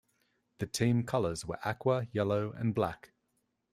The team colours were aqua, yellow and black.